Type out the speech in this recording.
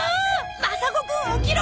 マサ五くん起きろ！